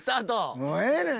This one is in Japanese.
もうええねん！